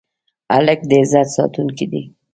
هلک د عزت ساتونکی دی.